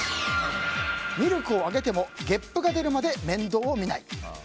ミルクをあげてもげっぷが出るまでは面倒を見ない。